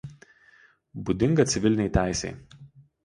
Būdinga civilinei teisei.